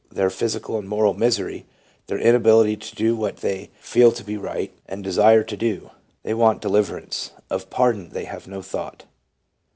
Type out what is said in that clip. their physical and moral misery, their inability to do what they feel to be right and desire to do ; they want deliverance, — of pardon they have no thought.